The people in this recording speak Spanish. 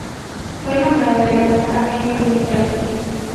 Fue nombrado en honor a Benjamin Franklin.